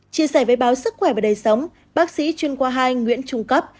chia sẻ với báo sức khỏe và đầy sống bác sĩ chuyên qua hai nguyễn trung cấp